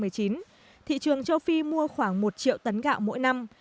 thị trường châu phi mua khoảng một triệu tấn gạo mỗi năm